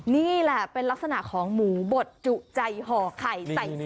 นี่แหละเป็นลักษณะของหมูบดจุใจห่อไข่ใส่เส้นนี่นี่นี่